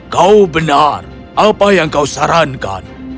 kau benar apa yang kau sarankan